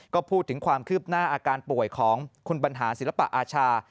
ก็พูดถึงความคืบหน้าอาการป่วยของคุณบรรหารศิลปะอาชา